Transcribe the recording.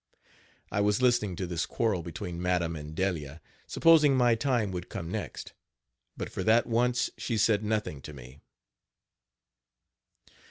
I was listening to this quarrel between madam and Delia, supposing my time would come next; but for that once she said nothing to me.